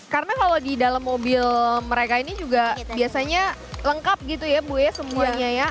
karena kalau di dalam mobil mereka ini juga biasanya lengkap gitu ya bu ya semuanya ya